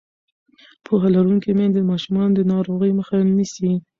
پوهه لرونکې میندې د ماشومانو د ناروغۍ مخه نیسي.